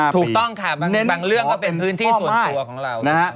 ถูกต้องค่ะบางเรื่องก็เป็นพื้นที่ส่วนตัวของเรานะครับเน้นขอเป็นพ่อม่าย